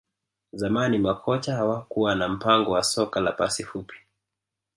Zamani makocha hawakuwa na mpango wa soka la pasi fupi